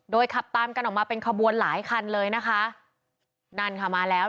ขับตามกันออกมาเป็นขบวนหลายคันเลยนะคะนั่นค่ะมาแล้ว